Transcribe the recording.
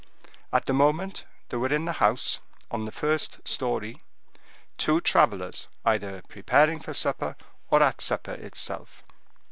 At the moment, there were in the house, on the first story, two travelers either preparing for supper, or at supper itself.